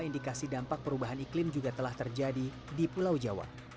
indikasi dampak perubahan iklim juga telah terjadi di pulau jawa